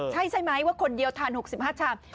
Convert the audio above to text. ใช่ใช่ไหมว่าคนเดียวทาน๖๕ชาม